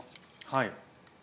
はい。